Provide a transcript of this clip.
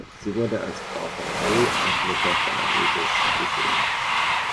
Sie wurde als Frau von Re und Mutter von Anubis gesehen.